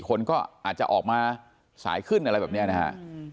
คนก็อาจจะออกมาสายขึ้นอะไรแบบนี้นะฮะ